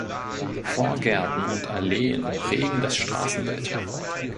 Vorgärten und Alleen prägen das Straßenbild.